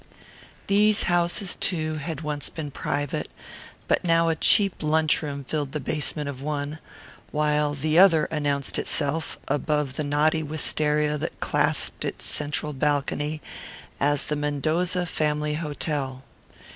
These houses too had once been private, but now a cheap lunchroom filled the basement of one, while the other announced itself, above the knotty wistaria that clasped its central balcony, as the Mendoza Family Hotel.